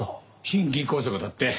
心筋梗塞だって。